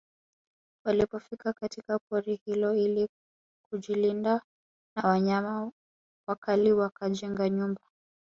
Walipofika katika pori hilo ili kujilinda na wanyama wakali wakajenga nyumba